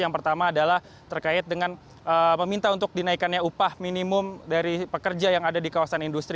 yang pertama adalah terkait dengan meminta untuk dinaikannya upah minimum dari pekerja yang ada di kawasan industri